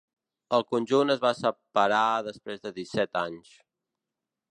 El conjunt es va separar després de disset anys.